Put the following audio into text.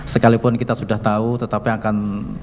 sekalipun kita sudah tahu tetapi akan